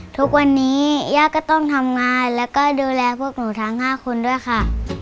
ทุกวันนี้ย่าก็ต้องทำงานแล้วก็ดูแลพวกหนูทั้ง๕คนด้วยค่ะ